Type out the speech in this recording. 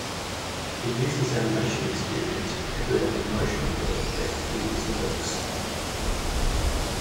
He used his animation experience to create a "motion blur" effect in his works.